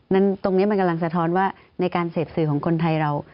ตรงนี้มันกำลังสะท้อนว่าในการเสพสื่อของคนไทยเรา